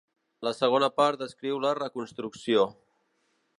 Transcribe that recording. La segona part descriu la reconstrucció.